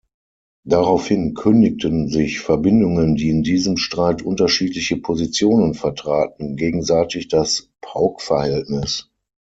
Daraufhin kündigten sich Verbindungen, die in diesem Streit unterschiedliche Positionen vertraten, gegenseitig das Paukverhältnis.